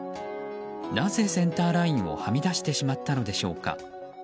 なぜ、センターラインをはみ出してしまったのでしょうか。